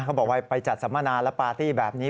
เขาบอกว่าไปจัดสัมมนาและปาร์ตี้แบบนี้